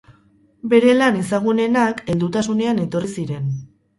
Bere lan ezagunenak heldutasunean etorri ziren.